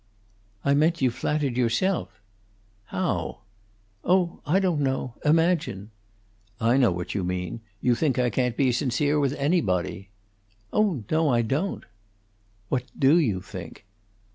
"I meant you flattered yourself." "How?" "Oh, I don't know. Imagine." "I know what you mean. You think I can't be sincere with anybody." "Oh no, I don't." "What do you think?"